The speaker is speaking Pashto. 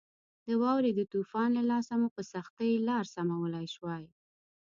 د واورې د طوفان له لاسه مو په سختۍ لار سمولای شوای.